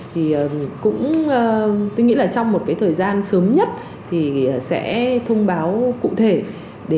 thì cũng tôi nghĩ là trong một cái thời gian sớm nhất thì sẽ thông báo cụ thể để